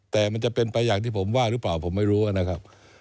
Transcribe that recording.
แต่มันจะเป็นไปอย่างที่ผมว่าหรือเปล่าผมไม่รู้นะครับ